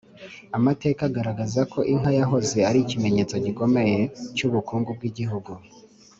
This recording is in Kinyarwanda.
Amateka agaragaza ko inka yahoze ari ikimenyetso gikomeye cy’ubukungu bw’igihugu